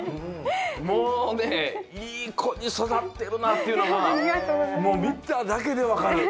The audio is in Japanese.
もうねいいこにそだってるなっていうのがみただけでわかる！